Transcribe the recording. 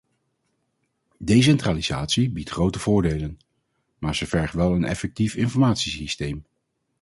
Decentralisatie biedt grote voordelen, maar ze vergt wel een effectief informatiesysteem.